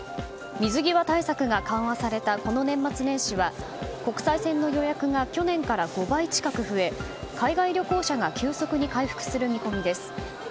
水際対策が緩和されたこの年末年始は国際線の予約が去年から５倍近く増え海外旅行者が急速に回復する見込みです。